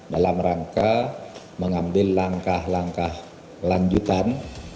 dalam rangka mengambil langkah langkah lanjutan